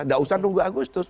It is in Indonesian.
tidak usah tunggu agustus